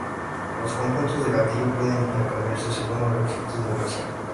Los conjuntos de gatillo pueden intercambiarse según los requisitos de la misión.